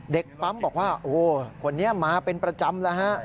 เด็กปั๊มบอกว่าโอ้คนนี้มาเป็นประจำแล้วฮะ